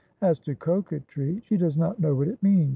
As to coquetry, she does not know what it means.